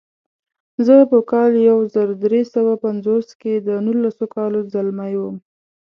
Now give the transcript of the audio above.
زه په کال یو زر درې سوه پنځوس کې د نولسو کالو ځلمی وم.